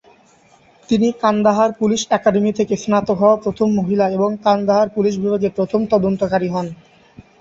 তিনি Kandahar police academy থেকে স্নাতক হওয়া প্রথম মহিলা এবং কান্দাহার পুলিশ বিভাগে প্রথম তদন্তকারী হন।